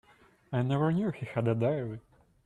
I never knew he had a diary.